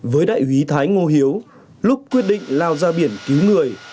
với đại úy thái ngô hiếu lúc quyết định lao ra biển cứu người